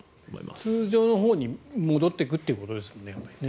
通常のほうに戻っていくということですもんね。